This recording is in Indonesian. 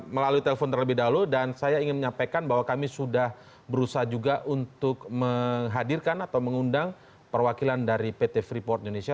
melalui telepon terlebih dahulu dan saya ingin menyampaikan bahwa kami sudah berusaha juga untuk menghadirkan atau mengundang perwakilan dari pt freeport indonesia